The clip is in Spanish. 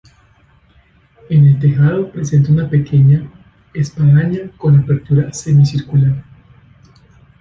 En el tejado presenta una pequeña espadaña con apertura semicircular.